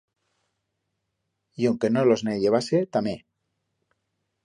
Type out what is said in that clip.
Y onque no los ne llevase, tamé.